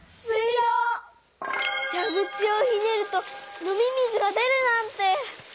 じゃぐちをひねると飲み水が出るなんて！